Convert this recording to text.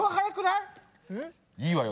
いいわよ。